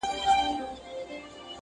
دردونه ژبه نه لري چي خلک وژړوم!!